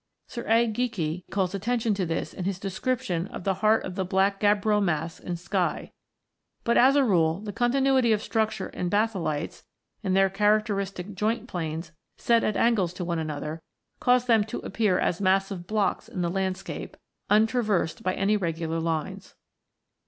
Sir A. Geikie(89) calls attention to this in his description of the heart of the black gabbro mass in Skye. But, is a rule, the continuity of structure in batholites, aod their characteristic joint planes set at angles to one another, cause them to appear as massive blocks in the landscape, untraversed by any regular lines.